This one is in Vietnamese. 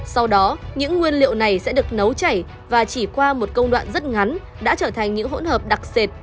sau đó những nguyên liệu này sẽ được nấu chảy và chỉ qua một công đoạn rất ngắn đã trở thành những hỗn hợp đặc sệt